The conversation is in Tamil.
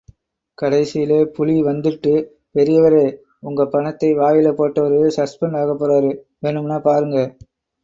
கடைசியில புலி வந்துட்டுப் பெரியவரே... ஒங்கப் பணத்தை வாயில போட்டவரு சஸ்பெண்ட் ஆகப்போறாரு... வேணுமுன்னா பாருங்க.